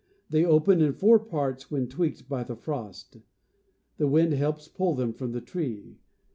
They open in four parts when tweaked by the frost (Fig. 3). The wind helps pLiIl them from the tree.